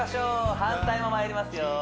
反対もまいりますよ